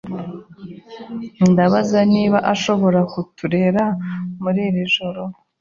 Ndabaza niba ashobora kuturera muri iri joro.